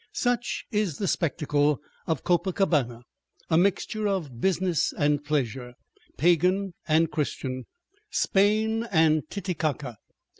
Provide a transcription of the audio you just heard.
Such is the spectacle of Copacabana, a mixture of business and pleasure, pagan and Christian, Spain and Titicaca.